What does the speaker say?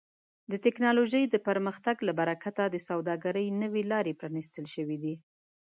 د ټکنالوژۍ د پرمختګ له برکت د سوداګرۍ نوې لارې پرانیستل شوي دي.